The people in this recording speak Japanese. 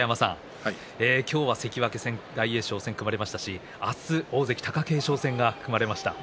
今日は関脇大栄翔戦が組まれましたし、明日は大関貴景勝戦が組まれました。